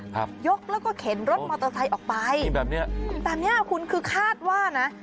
ยกแล้วก็เข็นรถมอเตอร์ไซค์ออกไปแบบเนี้ยแต่เนี้ยคุณคือคาดว่านะ